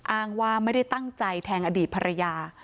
อ้างว่าไม่ได้ตั้งใจแทงอดีตภรรยา